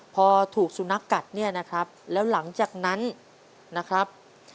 พอถูกสุนัขกัดเนี่ยนะครับแล้วหลังจากนั้นนะครับ